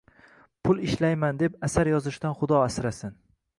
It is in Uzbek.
Pul ishlayman deb asar yozishdan xudo asrasin.